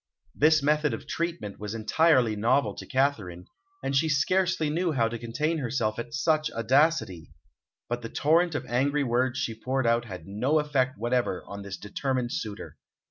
This method of treatment was entirely novel to Katharine, and she scarcely knew how to contain herself at such audacity; but the torrent of angry words she poured out had no effect whatever on this determined suitor.